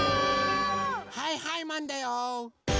はいはいマンだよー。